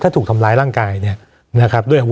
ถ้าถูกทำร้ายร่างกายเนี่ยนะครับ